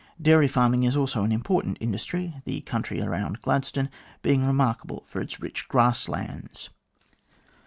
Dairy farming is also an important industry, the country around Gladstone being remarkable for its rich grass lands.